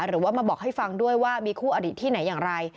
หรือว่ามาบอกให้ฟังด้วยว่ามีคู่อดีตที่ไหนอย่างไร